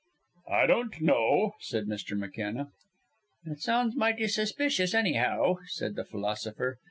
"I don't know," said Mr. McKenna. "It sounds mighty suspicious, annyhow," said the philosopher.